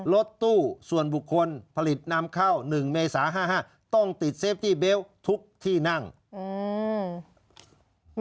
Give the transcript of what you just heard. รถตู้ส่วนบุคคลผลิตนำเข้าหนึ่งเมษาห้าห้าต้องติดเซฟตี้เบลต์ทุกที่นั่งอืม